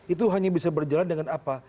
itu hanya bisa berjalan dengan apa